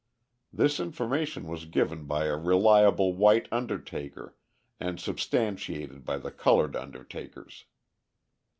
This information was given by a reliable white undertaker and substantiated by the coloured undertakers.